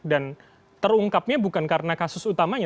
dan terungkapnya bukan karena kasus utamanya